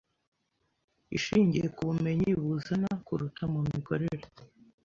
ishingiye ku bumenyi buzana kuruta mu mikorere